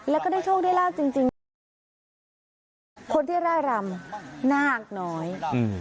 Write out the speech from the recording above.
แล้วก็ได้โชคได้ลาบจริงจริงก็คือคนที่ร่ายรำนาคน้อยอืม